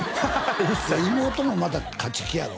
一切妹もまた勝ち気やろ？